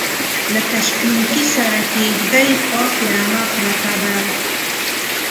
لکه شپونکي سره کیږدۍ خواکې رمه پرته ده